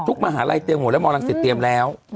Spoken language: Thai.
ทุกมหาลัยเตรียมหมดแล้วมหลังศิษย์เตรียมแล้ว